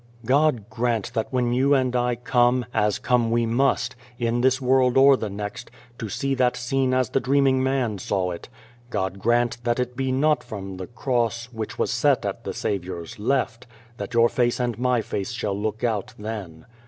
God grant that when you and I come, as come we must, in this world or the next, to 150 Beyond the Door see that scene as the dreaming man saw it God grant that it be not from the cross, which was set at the Saviour's left, that your face and my face shall look out then.